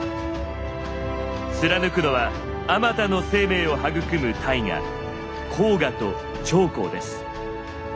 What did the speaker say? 貫くのはあまたの生命を育む大河黄河と長江です。